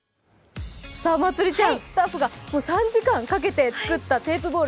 まつりちゃん、スタッフが３時間かかって作ったテープボール